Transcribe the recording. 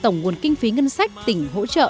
nguồn kinh phí ngân sách tỉnh hỗ trợ